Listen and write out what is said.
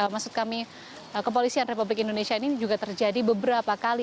maksud kami kepolisian republik indonesia ini juga terjadi beberapa kali